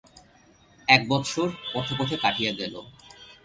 এক বৎসর পথে পথে কাটিয়া গেল।